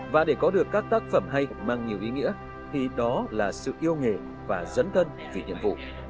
và để có được các tác phẩm hay mang nhiều ý nghĩa thì đó là sự yêu nghề và dẫn thân vì nhiệm vụ